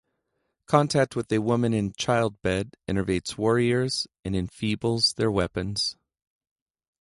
Contact with a woman in childbed enervates warriors and enfeebles their weapons.